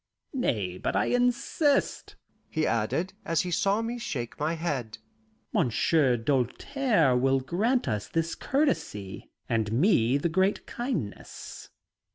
Nay, but I insist," he added, as he saw me shake my head. "Monsieur Doltaire will grant you this courtesy, and me the great kindness.